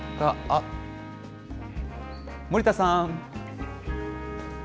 あっ、森田さん。